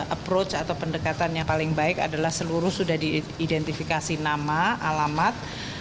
approach atau pendekatan yang paling baik adalah seluruh sudah diidentifikasi nama alamat